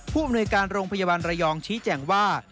ผู้อำนวยการโรงพยาบาลระยองชี้แจงว่า